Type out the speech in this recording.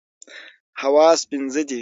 حواس پنځه دي.